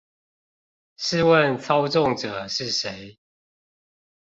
試問操縱者是誰？